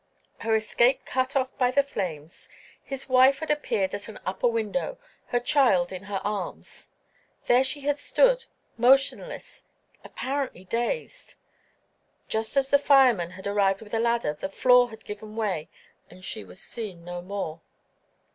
Her escape cut off by the flames, his wife had appeared at an upper window, her child in her arms. There she had stood, motionless, apparently dazed. Just as the firemen had arrived with a ladder, the floor had given way, and she was seen no more.